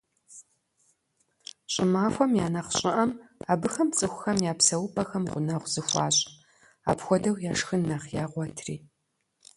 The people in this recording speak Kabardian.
ЩӀымахуэм я нэхъ щӀыӀэм абыхэм цӀыхухэм я псэупӀэхэм гъунэгъу зыхуащӀ, апхуэдэу яшхын нэхъ ягъуэтри.